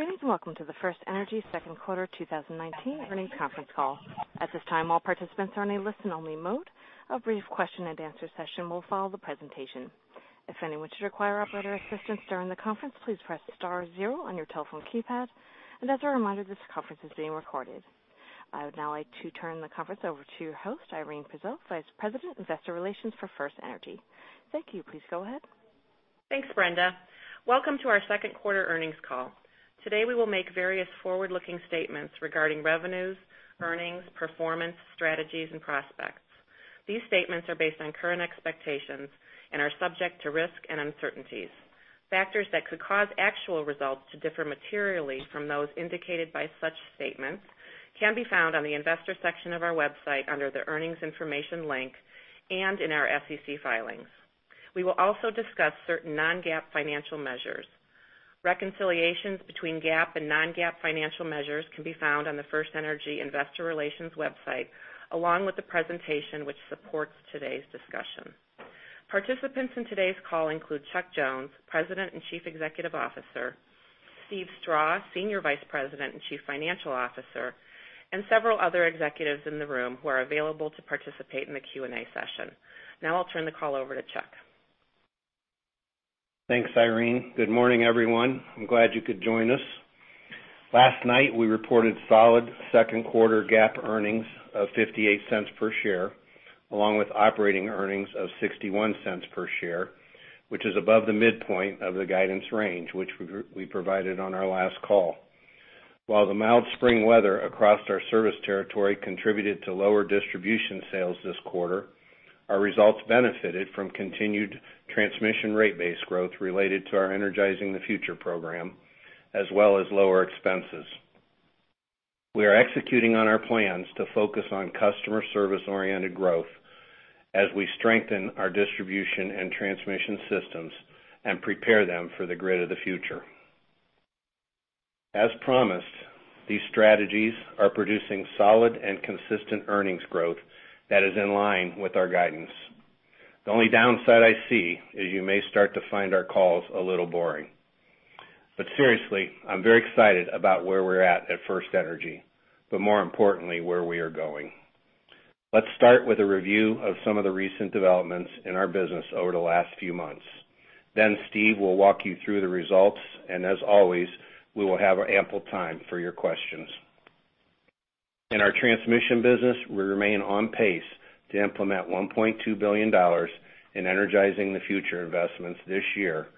Greetings. Welcome to the FirstEnergy second quarter 2019 earnings conference call. At this time, all participants are in a listen-only mode. A brief question-and-answer session will follow the presentation. If anyone should require operator assistance during the conference, please press star zero on your telephone keypad. As a reminder, this conference is being recorded. I would now like to turn the conference over to your host, Irene Prezelj, Vice President, Investor Relations for FirstEnergy. Thank you. Please go ahead. Thanks, Brenda. Welcome to our second quarter earnings call. Today, we will make various forward-looking statements regarding revenues, earnings, performance, strategies, and prospects. These statements are based on current expectations and are subject to risk and uncertainties. Factors that could cause actual results to differ materially from those indicated by such statements can be found on the investor section of our website under the earnings information link and in our SEC filings. We will also discuss certain non-GAAP financial measures. Reconciliations between GAAP and non-GAAP financial measures can be found on the FirstEnergy investor relations website, along with the presentation which supports today's discussion. Participants in today's call include Chuck Jones, President and Chief Executive Officer, Steve Strah, Senior Vice President and Chief Financial Officer, and several other executives in the room who are available to participate in the Q&A session. Now I'll turn the call over to Chuck. Thanks, Irene. Good morning, everyone. I'm glad you could join us. Last night, we reported solid second quarter GAAP earnings of $0.58 per share, along with operating earnings of $0.61 per share, which is above the midpoint of the guidance range, which we provided on our last call. While the mild spring weather across our service territory contributed to lower distribution sales this quarter, our results benefited from continued transmission rate base growth related to our Energizing the Future program, as well as lower expenses. We are executing on our plans to focus on customer service-oriented growth as we strengthen our distribution and transmission systems and prepare them for the grid of the future. As promised, these strategies are producing solid and consistent earnings growth that is in line with our guidance. The only downside I see is you may start to find our calls a little boring. Seriously, I'm very excited about where we're at at FirstEnergy, but more importantly, where we are going. Let's start with a review of some of the recent developments in our business over the last few months. Steve will walk you through the results, and as always, we will have ample time for your questions. In our transmission business, we remain on pace to implement $1.2 billion in Energizing the Future investments this year,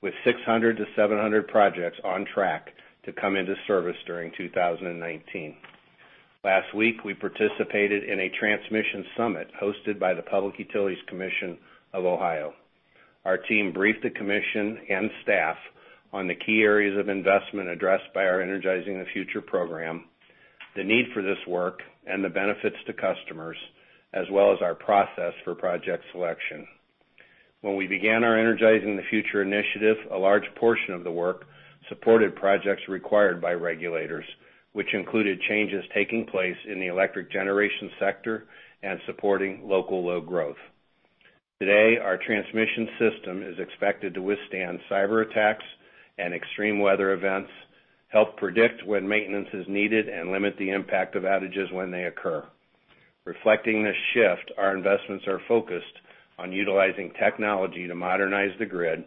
with 600 to 700 projects on track to come into service during 2019. Last week, we participated in a transmission summit hosted by the Public Utilities Commission of Ohio. Our team briefed the commission and staff on the key areas of investment addressed by our Energizing the Future program, the need for this work, and the benefits to customers, as well as our process for project selection. When we began our Energizing the Future initiative, a large portion of the work supported projects required by regulators, which included changes taking place in the electric generation sector and supporting local load growth. Today, our transmission system is expected to withstand cyber attacks and extreme weather events, help predict when maintenance is needed, and limit the impact of outages when they occur. Reflecting this shift, our investments are focused on utilizing technology to modernize the grid,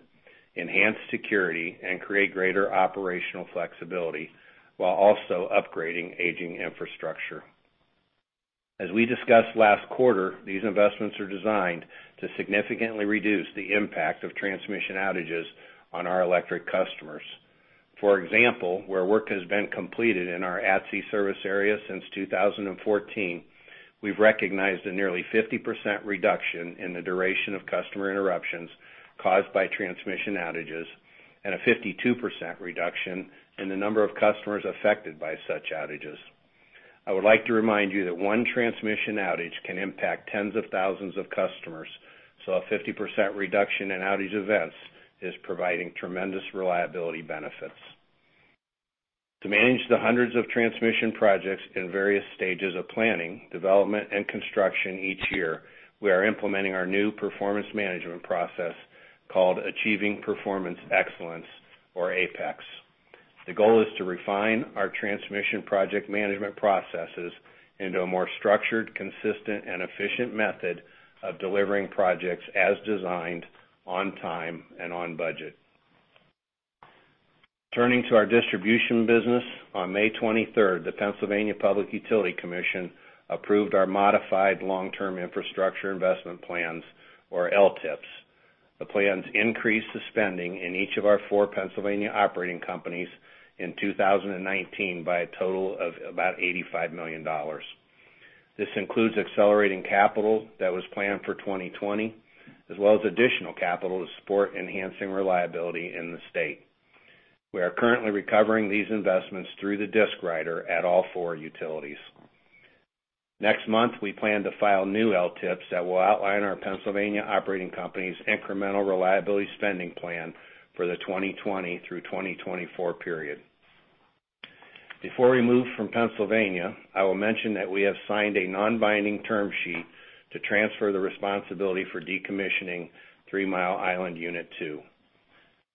enhance security, and create greater operational flexibility while also upgrading aging infrastructure. As we discussed last quarter, these investments are designed to significantly reduce the impact of transmission outages on our electric customers. For example, where work has been completed in our ATSI service area since 2014, we've recognized a nearly 50% reduction in the duration of customer interruptions caused by transmission outages, and a 52% reduction in the number of customers affected by such outages. I would like to remind you that one transmission outage can impact tens of thousands of customers, so a 50% reduction in outage events is providing tremendous reliability benefits. To manage the hundreds of transmission projects in various stages of planning, development, and construction each year, we are implementing our new performance management process called Achieving Performance Excellence or APEX. The goal is to refine our transmission project management processes into a more structured, consistent, and efficient method of delivering projects as designed on time and on budget. Turning to our distribution business, on May 23rd, the Pennsylvania Public Utility Commission approved our modified Long-Term Infrastructure Investment Plans or LTIIPs. The plans increased the spending in each of our four Pennsylvania operating companies in 2019 by a total of about $85 million. This includes accelerating capital that was planned for 2020, as well as additional capital to support enhancing reliability in the state. We are currently recovering these investments through the DSIC rider at all four utilities. Next month, we plan to file new LTIIPs that will outline our Pennsylvania operating companies' incremental reliability spending plan for the 2020 through 2024 period. Before we move from Pennsylvania, I will mention that we have signed a non-binding term sheet to transfer the responsibility for decommissioning Three Mile Island Unit 2.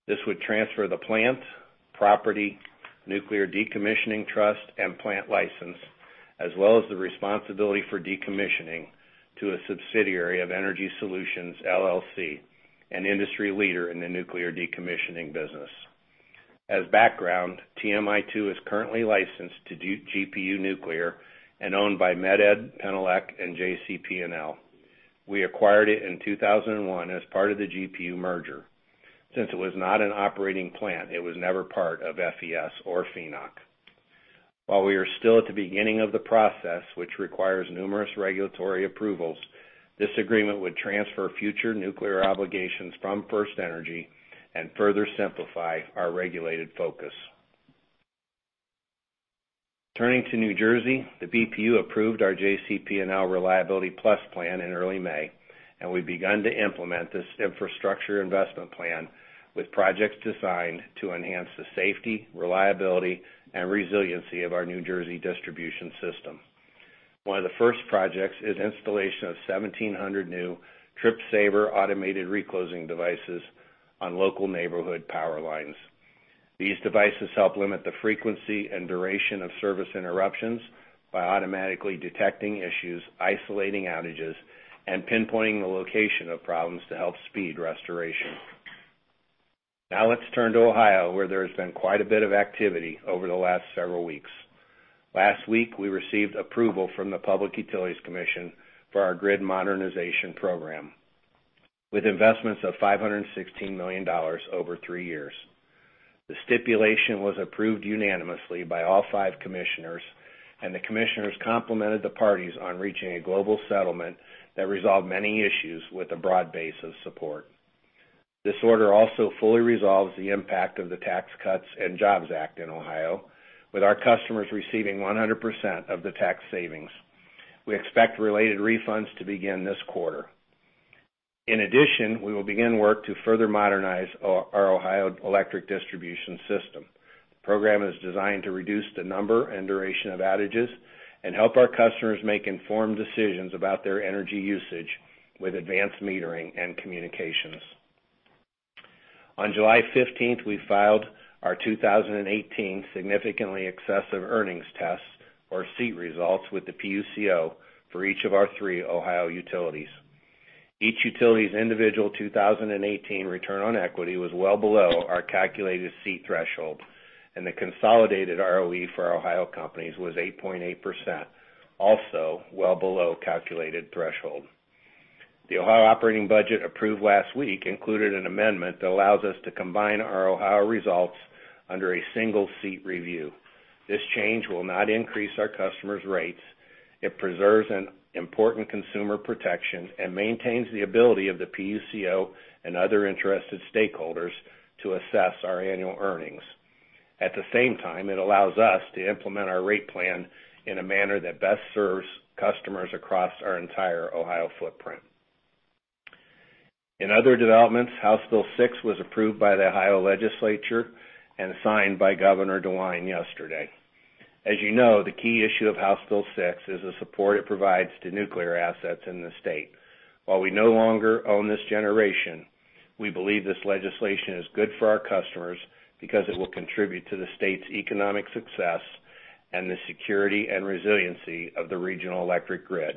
This would transfer the plant, property, nuclear decommissioning trust, and plant license, as well as the responsibility for decommissioning to a subsidiary of EnergySolutions, LLC, an industry leader in the nuclear decommissioning business. As background, TMI Two is currently licensed to GPU Nuclear and owned by Met-Ed, Penelec, and JCP&L. We acquired it in 2001 as part of the GPU merger. Since it was not an operating plant, it was never part of FES or FENOC. While we are still at the beginning of the process, which requires numerous regulatory approvals, this agreement would transfer future nuclear obligations from FirstEnergy and further simplify our regulated focus. Turning to New Jersey, the BPU approved our JCP&L Reliability Plus plan in early May, and we've begun to implement this infrastructure investment plan with projects designed to enhance the safety, reliability, and resiliency of our New Jersey distribution system. One of the first projects is installation of 1,700 new TripSaver automated reclosing devices on local neighborhood power lines. These devices help limit the frequency and duration of service interruptions by automatically detecting issues, isolating outages, and pinpointing the location of problems to help speed restoration. Let's turn to Ohio, where there has been quite a bit of activity over the last several weeks. Last week, we received approval from the Public Utilities Commission for our grid modernization program with investments of $516 million over three years. The stipulation was approved unanimously by all five commissioners. The commissioners complimented the parties on reaching a global settlement that resolved many issues with a broad base of support. This order also fully resolves the impact of the Tax Cuts and Jobs Act in Ohio, with our customers receiving 100% of the tax savings. We expect related refunds to begin this quarter. In addition, we will begin work to further modernize our Ohio electric distribution system. The program is designed to reduce the number and duration of outages and help our customers make informed decisions about their energy usage with advanced metering and communications. On July 15th, we filed our 2018 Significantly Excessive Earnings Test, or SEET results, with the PUCO for each of our three Ohio utilities. Each utility's individual 2018 return on equity was well below our calculated SEET threshold, and the consolidated ROE for Ohio companies was 8.8%, also well below calculated threshold. The Ohio operating budget approved last week included an amendment that allows us to combine our Ohio results under a single SEET review. This change will not increase our customers' rates. It preserves an important consumer protection and maintains the ability of the PUCO and other interested stakeholders to assess our annual earnings. At the same time, it allows us to implement our rate plan in a manner that best serves customers across our entire Ohio footprint. In other developments, House Bill 6 was approved by the Ohio legislature and signed by Governor DeWine yesterday. As you know, the key issue of House Bill 6 is the support it provides to nuclear assets in the state. While we no longer own this generation, we believe this legislation is good for our customers because it will contribute to the state's economic success and the security and resiliency of the regional electric grid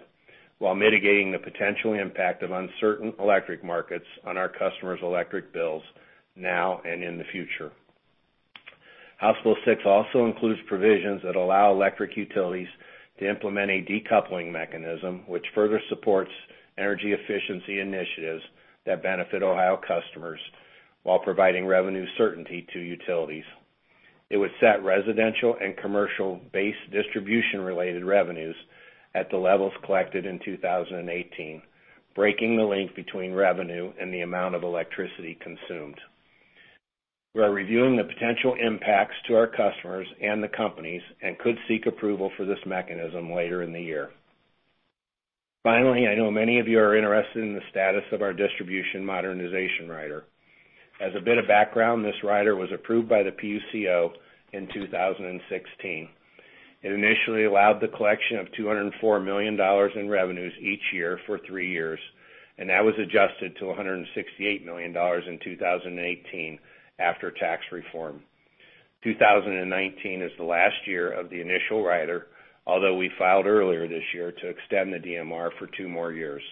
while mitigating the potential impact of uncertain electric markets on our customers' electric bills now and in the future. House Bill 6 also includes provisions that allow electric utilities to implement a decoupling mechanism which further supports energy efficiency initiatives that benefit Ohio customers while providing revenue certainty to utilities. It would set residential and commercial base distribution-related revenues at the levels collected in 2018, breaking the link between revenue and the amount of electricity consumed. We are reviewing the potential impacts to our customers and the companies and could seek approval for this mechanism later in the year. Finally, I know many of you are interested in the status of our distribution modernization rider. As a bit of background, this rider was approved by the PUCO in 2016. It initially allowed the collection of $204 million in revenues each year for three years, and that was adjusted to $168 million in 2018 after tax reform. 2019 is the last year of the initial rider, although we filed earlier this year to extend the DMR for two more years.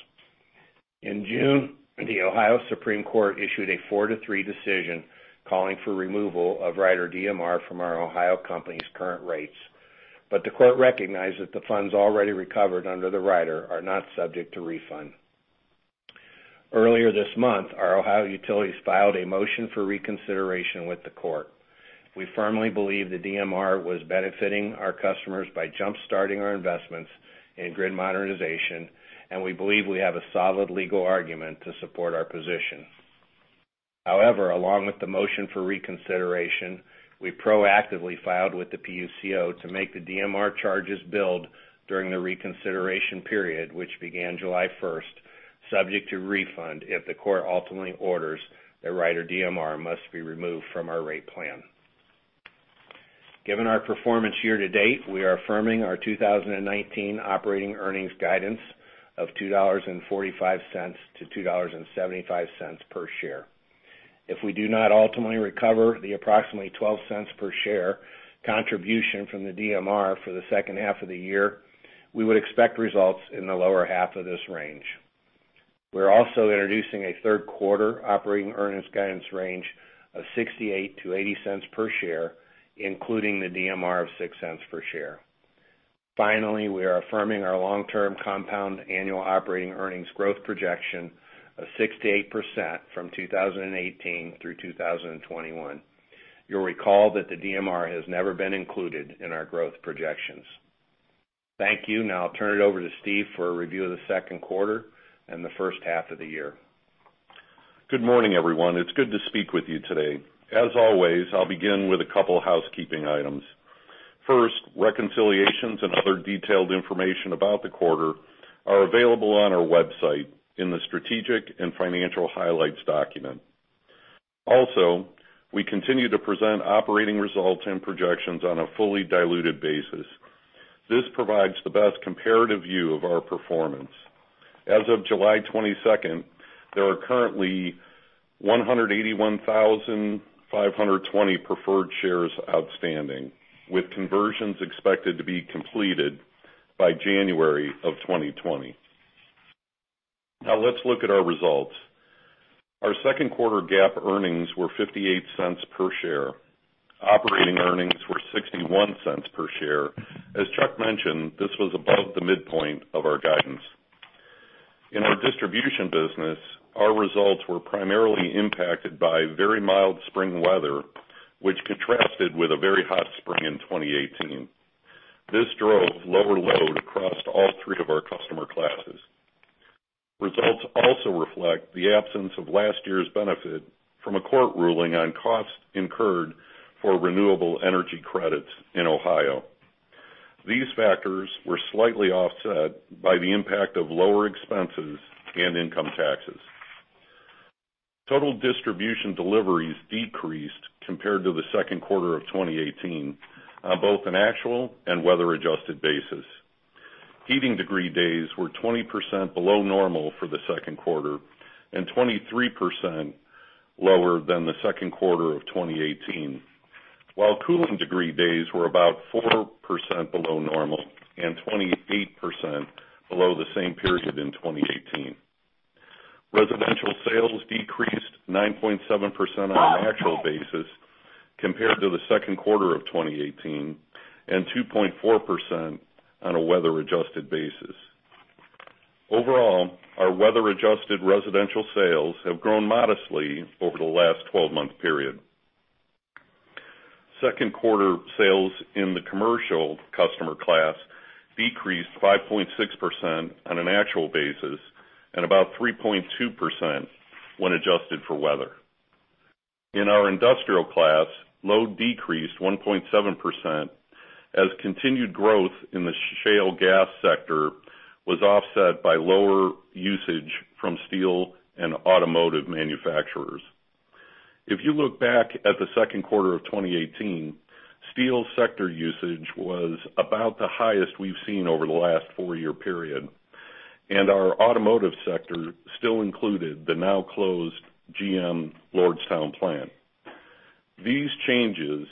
In June, the Ohio Supreme Court issued a 4 to 3 decision calling for removal of Rider DMR from our Ohio company's current rates. The court recognized that the funds already recovered under the rider are not subject to refund. Earlier this month, our Ohio utilities filed a motion for reconsideration with the court. We firmly believe the DMR was benefiting our customers by jump-starting our investments in grid modernization. We believe we have a solid legal argument to support our position. However, along with the motion for reconsideration, we proactively filed with the PUCO to make the DMR charges build during the reconsideration period, which began July 1st. Subject to refund if the court ultimately orders that Rider DMR must be removed from our rate plan. Given our performance year to date, we are affirming our 2019 operating earnings guidance of $2.45-$2.75 per share. If we do not ultimately recover the approximately $0.12 per share contribution from the DMR for the second half of the year, we would expect results in the lower half of this range. We're also introducing a third quarter operating earnings guidance range of $0.68-$0.80 per share, including the DMR of $0.06 per share. Finally, we are affirming our long-term compound annual operating earnings growth projection 6% to 8% from 2018 through 2021. You'll recall that the DMR has never been included in our growth projections. Thank you. Now I'll turn it over to Steve for a review of the second quarter and the first half of the year. Good morning, everyone. It's good to speak with you today. As always, I'll begin with a couple housekeeping items. First, reconciliations and other detailed information about the quarter are available on our website in the Strategic and Financial Highlights document. We continue to present operating results and projections on a fully diluted basis. This provides the best comparative view of our performance. As of July 22nd, there are currently 181,520 preferred shares outstanding, with conversions expected to be completed by January of 2020. Let's look at our results. Our second quarter GAAP earnings were $0.58 per share. Operating earnings were $0.61 per share. As Chuck mentioned, this was above the midpoint of our guidance. In our distribution business, our results were primarily impacted by very mild spring weather, which contrasted with a very hot spring in 2018. This drove lower load across all three of our customer classes. Results also reflect the absence of last year's benefit from a court ruling on cost incurred for renewable energy credits in Ohio. These factors were slightly offset by the impact of lower expenses and income taxes. Total distribution deliveries decreased compared to the second quarter of 2018 on both an actual and weather-adjusted basis. Heating degree days were 20% below normal for the second quarter and 23% lower than the second quarter of 2018, while cooling degree days were about 4% below normal and 28% below the same period in 2018. Residential sales decreased 9.7% on an actual basis compared to the second quarter of 2018, and 2.4% on a weather-adjusted basis. Overall, our weather-adjusted residential sales have grown modestly over the last 12-month period. Second quarter sales in the commercial customer class decreased 5.6% on an actual basis, and about 3.2% when adjusted for weather. In our industrial class, load decreased 1.7% as continued growth in the shale gas sector was offset by lower usage from steel and automotive manufacturers. If you look back at the second quarter of 2018, steel sector usage was about the highest we've seen over the last four-year period, and our automotive sector still included the now-closed GM Lordstown plant. These changes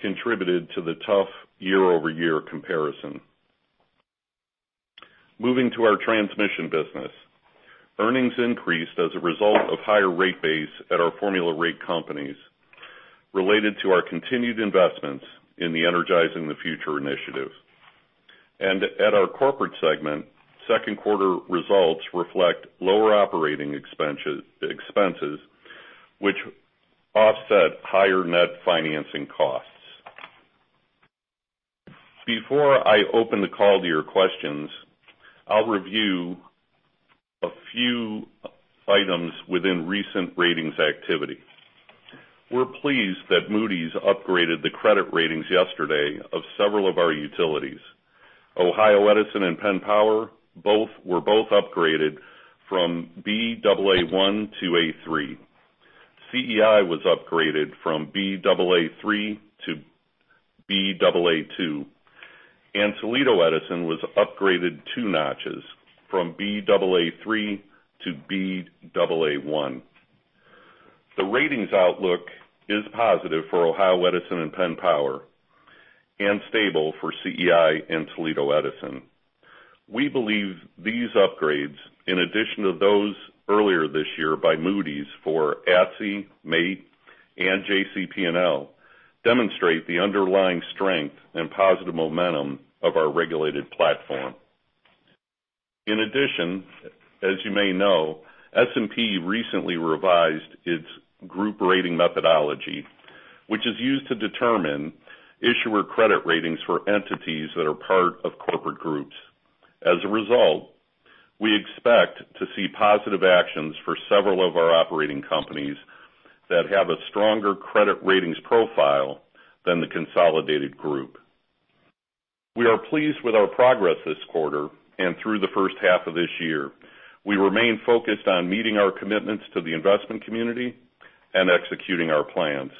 contributed to the tough year-over-year comparison. Moving to our transmission business, earnings increased as a result of higher rate base at our formula rate companies related to our continued investments in the Energizing the Future initiative. At our corporate segment, second quarter results reflect lower operating expenses, which offset higher net financing costs. Before I open the call to your questions, I'll review a few items within recent ratings activity. We're pleased that Moody's upgraded the credit ratings yesterday of several of our utilities. Ohio Edison and Penn Power were both upgraded from Baa1 to A3. CEI was upgraded from Baa3 to Baa2. Toledo Edison was upgraded two notches from Baa3 to Baa1. The ratings outlook is positive for Ohio Edison and Penn Power, and stable for CEI and Toledo Edison. We believe these upgrades, in addition to those earlier this year by Moody's for ATSI, MAIT, and JCP&L, demonstrate the underlying strength and positive momentum of our regulated platform. In addition, as you may know, S&P recently revised its group rating methodology, which is used to determine issuer credit ratings for entities that are part of corporate groups. As a result, we expect to see positive actions for several of our operating companies that have a stronger credit ratings profile than the consolidated group. We are pleased with our progress this quarter and through the first half of this year. We remain focused on meeting our commitments to the investment community and executing our plans.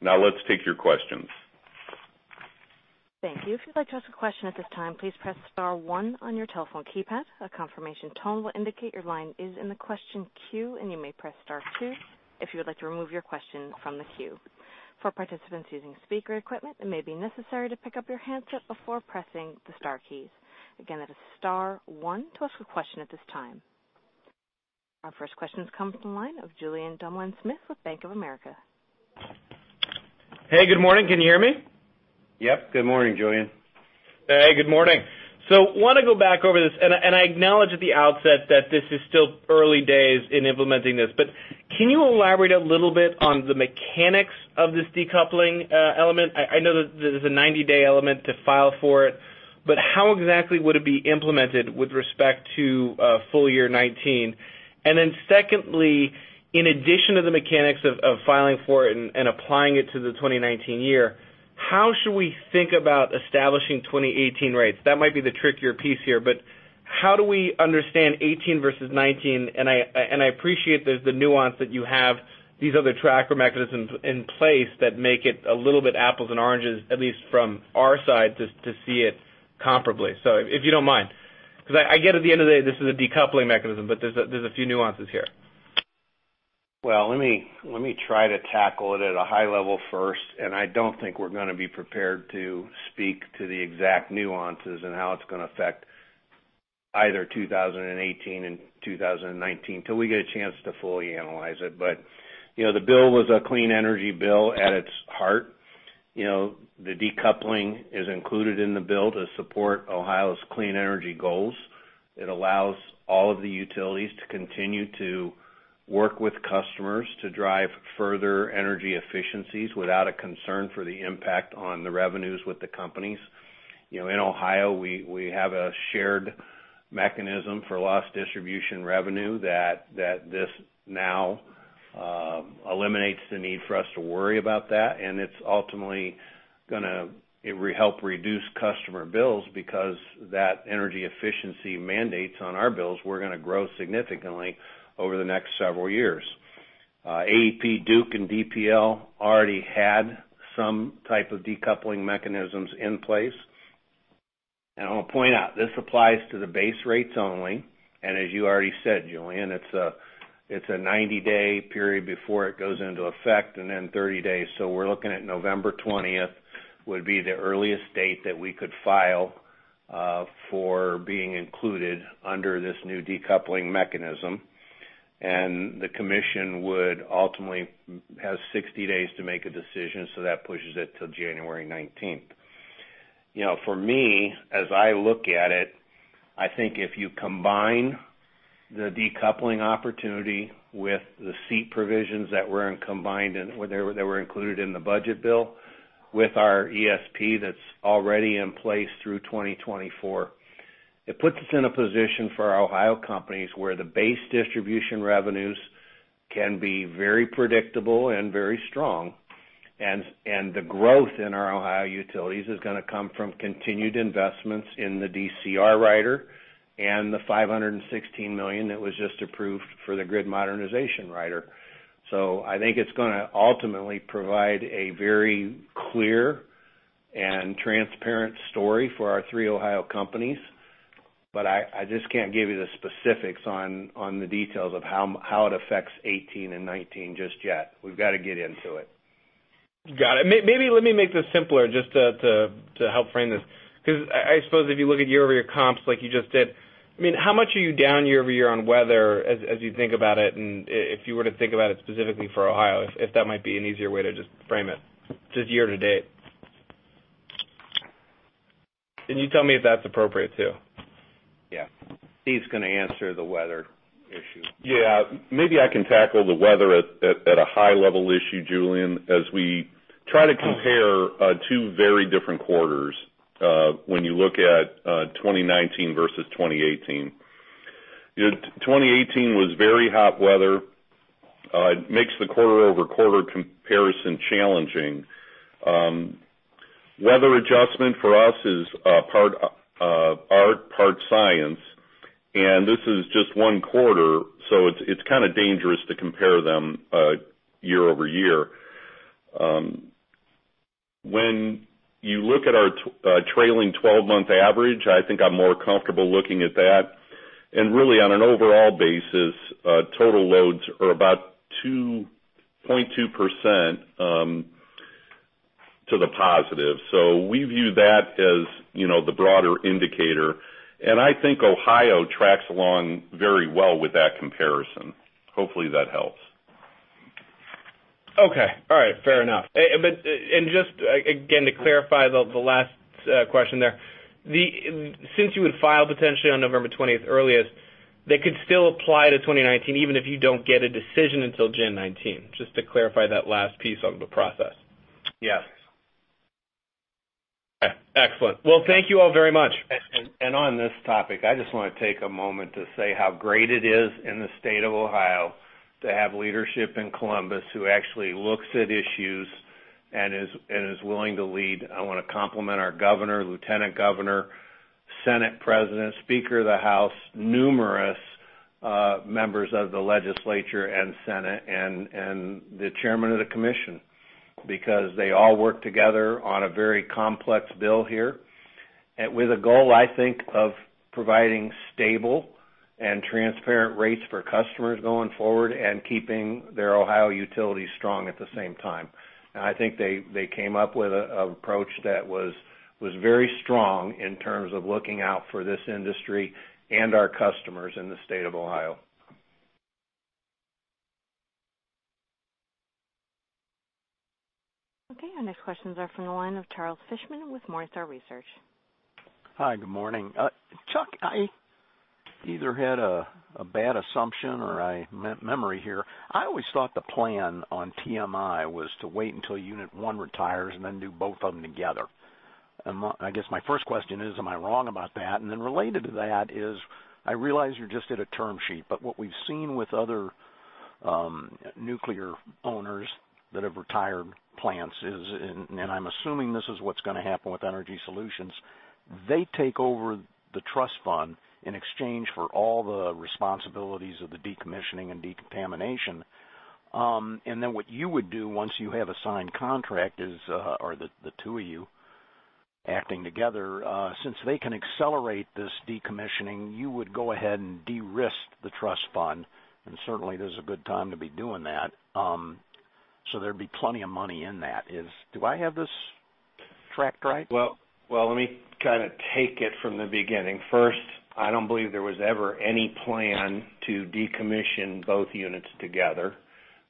Let's take your questions. Thank you. If you'd like to ask a question at this time, please press star 1 on your telephone keypad. A confirmation tone will indicate your line is in the question queue. You may press star 2 if you would like to remove your question from the queue. For participants using speaker equipment, it may be necessary to pick up your handset before pressing the star keys. Again, that is star 1 to ask a question at this time. Our first question comes from the line of Julien Dumoulin-Smith with Bank of America. Hey, good morning. Can you hear me? Yep. Good morning, Julien. Hey, good morning. Want to go back over this, and I acknowledge at the outset that this is still early days in implementing this, but can you elaborate a little bit on the mechanics of this decoupling element? I know that there's a 90-day element to file for it, but how exactly would it be implemented with respect to full year 2019? Secondly, in addition to the mechanics of filing for it and applying it to the 2019 year, how should we think about establishing 2018 rates? That might be the trickier piece here, but how do we understand 2018 versus 2019? I appreciate the nuance that you have these other tracker mechanisms in place that make it a little bit apples and oranges, at least from our side, to see it comparably. If you don't mind, because I get at the end of the day, this is a decoupling mechanism, but there's a few nuances here. Well, let me try to tackle it at a high level first. I don't think we're going to be prepared to speak to the exact nuances and how it's going to affect either 2018 and 2019 till we get a chance to fully analyze it. The bill was a clean energy bill at its heart. The decoupling is included in the bill to support Ohio's clean energy goals. It allows all of the utilities to continue to work with customers to drive further energy efficiencies without a concern for the impact on the revenues with the companies. In Ohio, we have a shared mechanism for lost distribution revenue that this now eliminates the need for us to worry about that. It's ultimately going to help reduce customer bills because that energy efficiency mandates on our bills were going to grow significantly over the next several years. AEP, Duke, and DPL already had some type of decoupling mechanisms in place. I want to point out, this applies to the base rates only, and as you already said, Julien, it's a 90-day period before it goes into effect and then 30 days. We're looking at November 20th would be the earliest date that we could file for being included under this new decoupling mechanism. The commission would ultimately have 60 days to make a decision, so that pushes it to January 19th. For me, as I look at it, I think if you combine the decoupling opportunity with the SEET provisions that were included in the budget bill with our ESP that's already in place through 2024, it puts us in a position for our Ohio companies where the base distribution revenues can be very predictable and very strong. The growth in our Ohio utilities is going to come from continued investments in the DCR rider and the $516 million that was just approved for the grid modernization rider. I think it's going to ultimately provide a very clear and transparent story for our three Ohio companies. I just can't give you the specifics on the details of how it affects 2018 and 2019 just yet. We've got to get into it. Got it. I suppose if you look at year-over-year comps like you just did, how much are you down year-over-year on weather as you think about it? If you were to think about it specifically for Ohio, if that might be an easier way to just frame it, just year-to-date. You tell me if that's appropriate, too. Yeah. Steve's going to answer the weather issue. Yeah. Maybe I can tackle the weather at a high-level issue, Julien. As we try to compare two very different quarters, when you look at 2019 versus 2018. 2018 was very hot weather. It makes the quarter-over-quarter comparison challenging. Weather adjustment for us is part art, part science, and this is just one quarter, so it's kind of dangerous to compare them year-over-year. When you look at our trailing 12-month average, I think I'm more comfortable looking at that. We view that as the broader indicator, and I think Ohio tracks along very well with that comparison. Hopefully, that helps. Okay. All right. Fair enough. Just again, to clarify the last question there, since you would file potentially on November 20th earliest, they could still apply to 2019, even if you don't get a decision until January 2019. Just to clarify that last piece on the process. Yes. Okay. Excellent. Well, thank you all very much. On this topic, I just want to take a moment to say how great it is in the state of Ohio to have leadership in Columbus who actually looks at issues and is willing to lead. I want to compliment our Governor, Lieutenant Governor, Senate President, Speaker of the House, numerous members of the legislature and Senate, and the Chairman of the Commission, because they all worked together on a very complex bill here with a goal, I think, of providing stable and transparent rates for customers going forward and keeping their Ohio utilities strong at the same time. I think they came up with an approach that was very strong in terms of looking out for this industry and our customers in the state of Ohio. Okay. Our next questions are from the line of Charles Fishman with Morningstar Research. Hi, good morning. Chuck, I either had a bad assumption or memory here. I always thought the plan on TMI was to wait until Unit 1 retires and then do both of them together. I guess my first question is, am I wrong about that? Related to that is, I realize you're just at a term sheet, but what we've seen with other nuclear owners that have retired plants is, and I'm assuming this is what's going to happen with Energy Solutions, they take over the trust fund in exchange for all the responsibilities of the decommissioning and decontamination. What you would do once you have a signed contract is, or the two of you acting together, since they can accelerate this decommissioning, you would go ahead and de-risk the trust fund, and certainly there's a good time to be doing that. There'd be plenty of money in that. Do I have this tracked right? Well, let me take it from the beginning. First, I don't believe there was ever any plan to decommission both units together.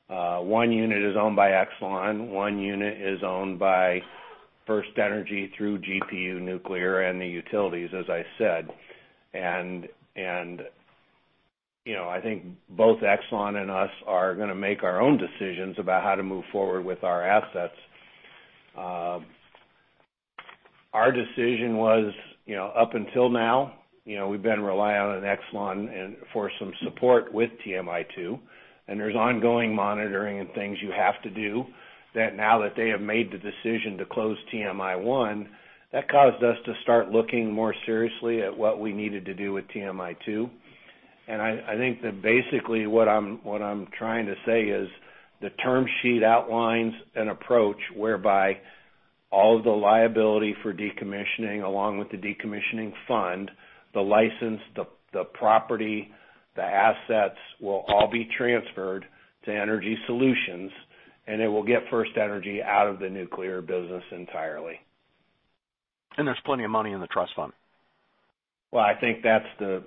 One unit is owned by Exelon. One unit is owned by FirstEnergy through GPU Nuclear and the utilities, as I said. I think both Exelon and us are going to make our own decisions about how to move forward with our assets. Our decision was up until now, we've been relying on Exelon for some support with TMI-2, and there's ongoing monitoring and things you have to do. That now that they have made the decision to close TMI-1, that caused us to start looking more seriously at what we needed to do with TMI-2. I think that basically what I'm trying to say is the term sheet outlines an approach whereby all of the liability for decommissioning, along with the decommissioning fund, the license, the property, the assets, will all be transferred to EnergySolutions, and it will get FirstEnergy out of the nuclear business entirely. There's plenty of money in the trust fund. Well, I think that's the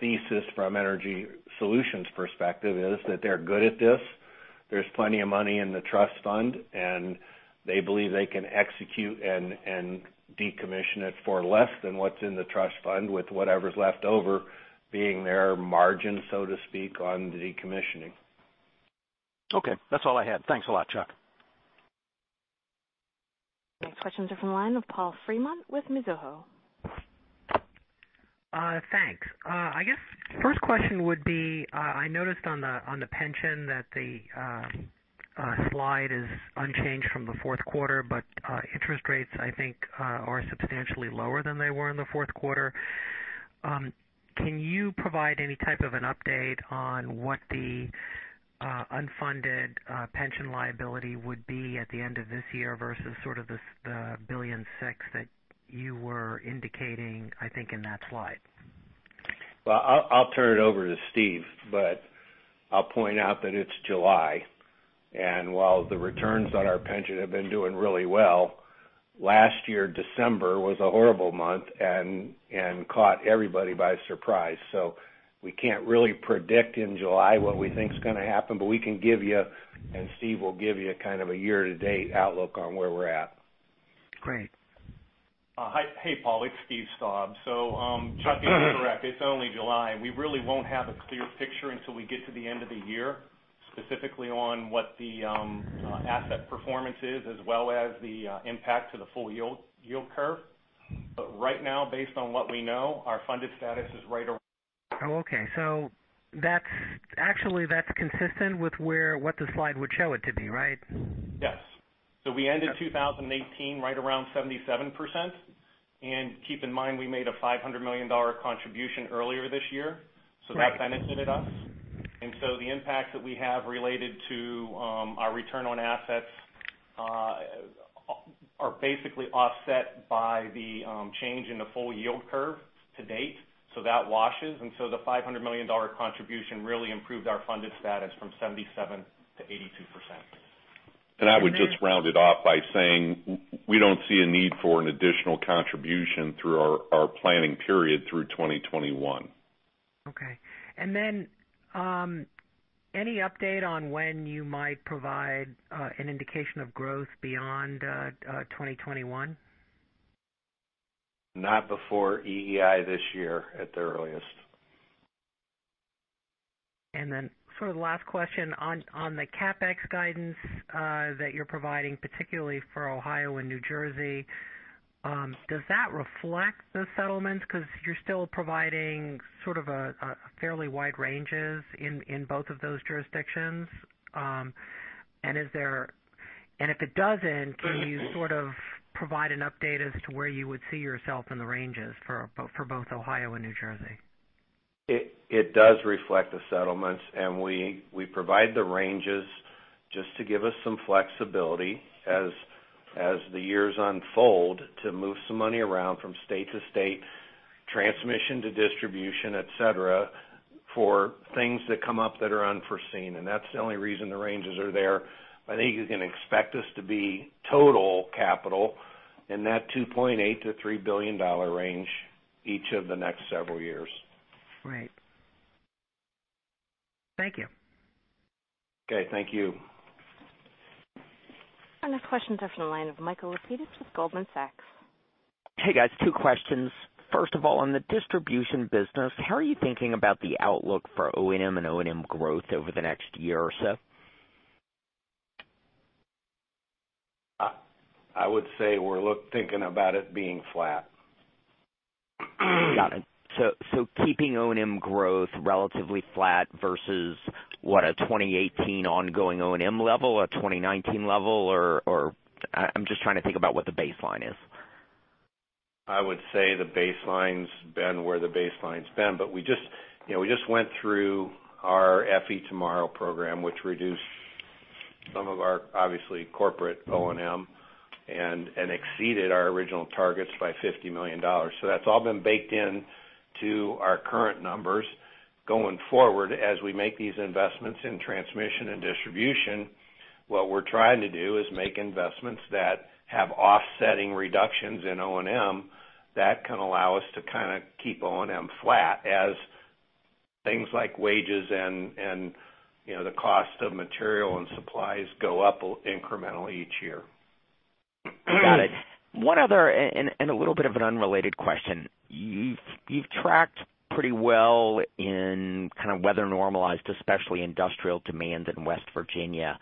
thesis from EnergySolutions' perspective is that they're good at this. There's plenty of money in the trust fund. They believe they can execute and decommission it for less than what's in the trust fund with whatever's left over being their margin, so to speak, on the decommissioning. Okay, that's all I had. Thanks a lot, Chuck. Next questions are from the line of Paul Fremont with Mizuho. Thanks. I guess first question would be, I noticed on the pension that the slide is unchanged from the fourth quarter, but interest rates, I think, are substantially lower than they were in the fourth quarter. Can you provide any type of an update on what the unfunded pension liability would be at the end of this year versus the $1.6 billion that you were indicating, I think, in that slide? Well, I'll turn it over to Steve, but I'll point out that it's July, and while the returns on our pension have been doing really well, last year, December was a horrible month and caught everybody by surprise. We can't really predict in July what we think is going to happen, but we can give you, and Steve will give you a kind of a year-to-date outlook on where we're at. Great. Paul, it's Steve Strah. Chuck is correct. It's only July, we really won't have a clear picture until we get to the end of the year, specifically on what the asset performance is as well as the impact to the full yield curve. Right now, based on what we know, our funded status is right around. Oh, okay. Actually that's consistent with what the slide would show it to be, right? Yes. We ended 2018 right around 77%. Keep in mind, we made a $500 million contribution earlier this year. Right. That benefited us. The impact that we have related to our return on assets are basically offset by the change in the full yield curve to date. That washes. The $500 million contribution really improved our funded status from 77% to 82%. I would just round it off by saying we don't see a need for an additional contribution through our planning period through 2021. Okay. Any update on when you might provide an indication of growth beyond 2021? Not before EEI this year at the earliest. Sort of last question, on the CapEx guidance that you're providing, particularly for Ohio and New Jersey, does that reflect the settlement? You're still providing sort of fairly wide ranges in both of those jurisdictions. If it doesn't, can you sort of provide an update as to where you would see yourself in the ranges for both Ohio and New Jersey? It does reflect the settlements, we provide the ranges just to give us some flexibility as the years unfold, to move some money around from state to state, transmission to distribution, et cetera, for things that come up that are unforeseen. That's the only reason the ranges are there. I think you can expect us to be total capital in that $2.8 billion-$3 billion range each of the next several years. Right. Thank you. Okay. Thank you. Our next question's up from the line of Michael Lapides with Goldman Sachs. Hey, guys. Two questions. First of all, on the distribution business, how are you thinking about the outlook for O&M and O&M growth over the next year or so? I would say we're thinking about it being flat. Got it. Keeping O&M growth relatively flat versus, what? A 2018 ongoing O&M level, a 2019 level? I'm just trying to think about what the baseline is. I would say the baseline's been where the baseline's been. We just went through our FE Tomorrow program, which reduced some of our, obviously, corporate O&M and exceeded our original targets by $50 million. That's all been baked into our current numbers going forward. As we make these investments in transmission and distribution, what we're trying to do is make investments that have offsetting reductions in O&M that can allow us to kind of keep O&M flat as things like wages and the cost of material and supplies go up incrementally each year. Got it. One other, a little bit of an unrelated question. You've tracked pretty well in kind of weather normalized, especially industrial demands in West Virginia.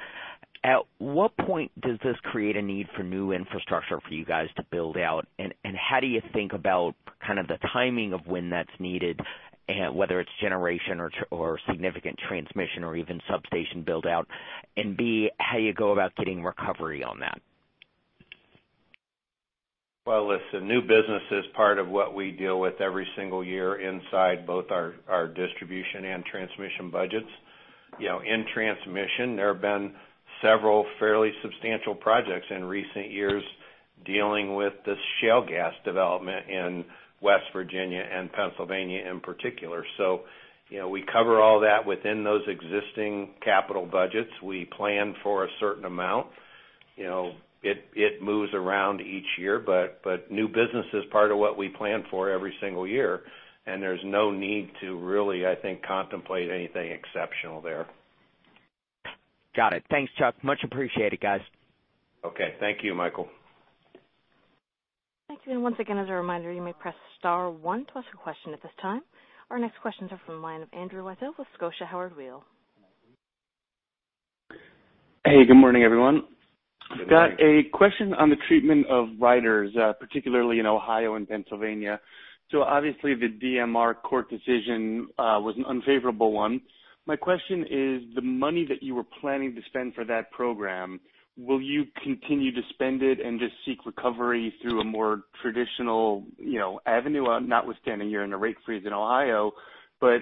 At what point does this create a need for new infrastructure for you guys to build out? How do you think about kind of the timing of when that's needed, whether it's generation or significant transmission or even substation build-out? B, how you go about getting recovery on that? Well, listen, new business is part of what we deal with every single year inside both our distribution and transmission budgets. In transmission, there have been several fairly substantial projects in recent years dealing with the shale gas development in West Virginia and Pennsylvania in particular. We cover all that within those existing capital budgets. We plan for a certain amount. It moves around each year. New business is part of what we plan for every single year, and there's no need to really, I think, contemplate anything exceptional there. Got it. Thanks, Chuck. Much appreciated, guys. Okay. Thank you, Michael. Thank you. Once again, as a reminder, you may press star 1 to ask a question at this time. Our next question's up from the line of Andrew Lyttle with Scotia Howard Weil. Hey, good morning, everyone. Good morning. Got a question on the treatment of riders, particularly in Ohio and Pennsylvania. Obviously, the DMR court decision was an unfavorable one. My question is the money that you were planning to spend for that program, will you continue to spend it and just seek recovery through a more traditional avenue? Notwithstanding you're in a rate freeze in Ohio, but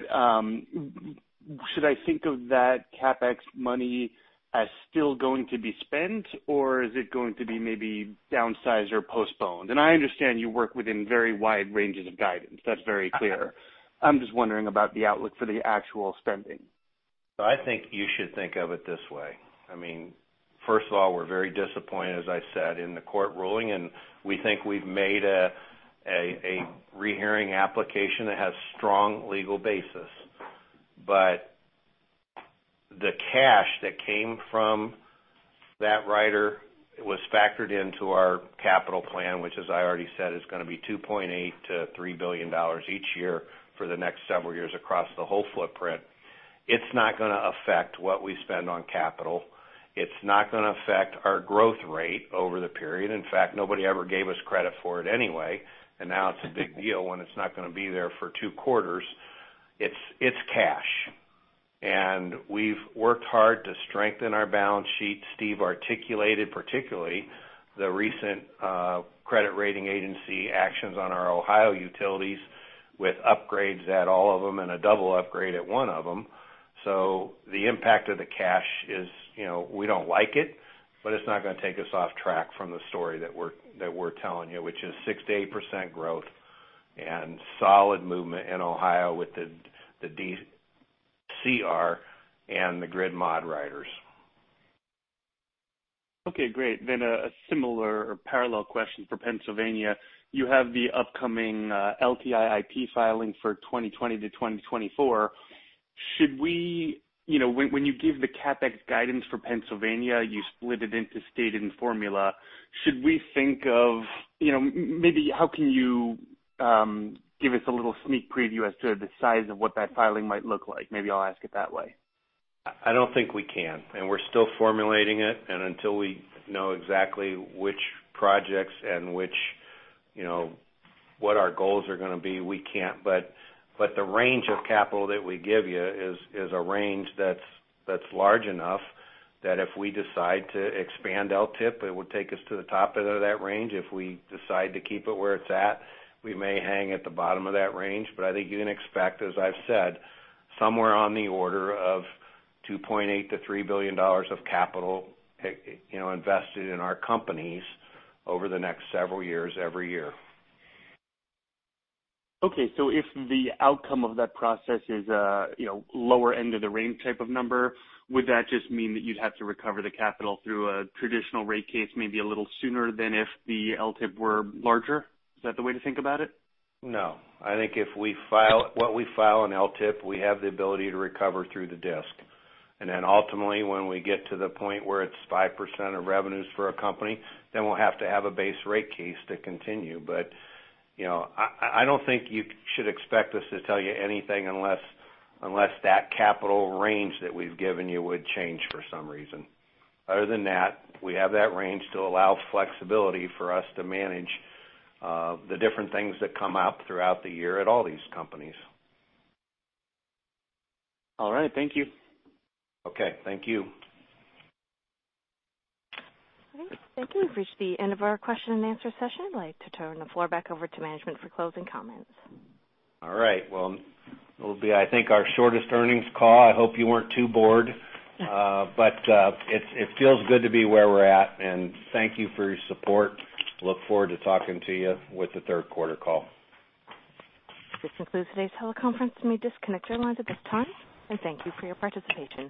should I think of that CapEx money as still going to be spent, or is it going to be maybe downsized or postponed? I understand you work within very wide ranges of guidance. That's very clear. I'm just wondering about the outlook for the actual spending. I think you should think of it this way. First of all, we're very disappointed, as I said, in the court ruling, and we think we've made a rehearing application that has strong legal basis. The cash that came from that rider was factored into our capital plan, which, as I already said, is going to be $2.8 billion-$3 billion each year for the next several years across the whole footprint. It's not going to affect what we spend on capital. It's not going to affect our growth rate over the period. In fact, nobody ever gave us credit for it anyway, and now it's a big deal when it's not going to be there for two quarters. It's cash, and we've worked hard to strengthen our balance sheet. Steve articulated, particularly the recent credit rating agency actions on our Ohio utilities with upgrades at all of them and a double upgrade at one of them. The impact of the cash is, we don't like it, but it's not going to take us off track from the story that we're telling you, which is 6%-8% growth and solid movement in Ohio with the DMR and the grid mod riders. Okay, great. A similar or parallel question for Pennsylvania. You have the upcoming LTIIP filing for 2020 to 2024. When you give the CapEx guidance for Pennsylvania, you split it into state and formula. How can you give us a little sneak preview as to the size of what that filing might look like? I'll ask it that way. I don't think we can, and we're still formulating it, and until we know exactly which projects and what our goals are going to be, we can't. The range of capital that we give you is a range that's large enough that if we decide to expand LTIP, it would take us to the top end of that range. If we decide to keep it where it's at, we may hang at the bottom of that range. I think you can expect, as I've said, somewhere on the order of $2.8 billion-$3 billion of capital invested in our companies over the next several years, every year. Okay. If the outcome of that process is lower end of the range type of number, would that just mean that you'd have to recover the capital through a traditional rate case, maybe a little sooner than if the LTIP were larger? Is that the way to think about it? No. I think if what we file on LTIP, we have the ability to recover through the DSIC. Ultimately, when we get to the point where it's 5% of revenues for a company, then we'll have to have a base rate case to continue. I don't think you should expect us to tell you anything unless that capital range that we've given you would change for some reason. Other than that, we have that range to allow flexibility for us to manage the different things that come up throughout the year at all these companies. All right. Thank you. Okay. Thank you. All right. Thank you. We've reached the end of our question and answer session. I'd like to turn the floor back over to management for closing comments. All right. Well, it'll be, I think, our shortest earnings call. I hope you weren't too bored. It feels good to be where we're at, and thank you for your support. Look forward to talking to you with the third quarter call. This concludes today's teleconference. You may disconnect your lines at this time. Thank you for your participation.